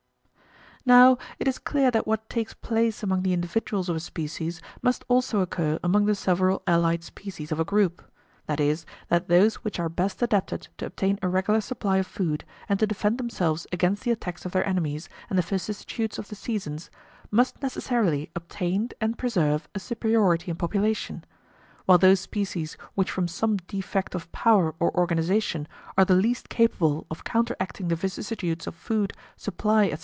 Now it is clear that what takes place among the individuals of a species must also occur among the several allied species of a group, viz. that those which are best adapted to obtain a regular supply of food, and to defend themselves against the attacks of their enemies and the vicissitudes of the seasons, must necessarily obtain and preserve a superiority in population; while those species which from some defect of power or organization are the least capable of counteracting the vicissitudes of food, supply, &c.